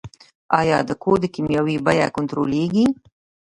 آیا د کود کیمیاوي بیه کنټرولیږي؟